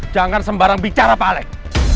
jangan sembarang bicara pak alex